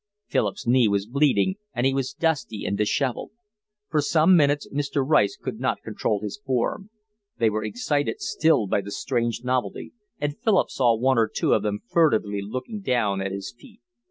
Philip's knee was bleeding, and he was dusty and dishevelled. For some minutes Mr. Rice could not control his form. They were excited still by the strange novelty, and Philip saw one or two of them furtively looking down at his feet.